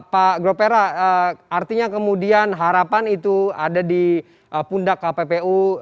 pak gropera artinya kemudian harapan itu ada di pundak kppu